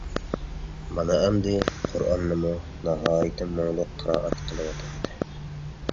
مانا ئەمدى قۇرئاننىمۇ ناھايىتى مۇڭلۇق قىرائەت قىلىۋاتاتتى.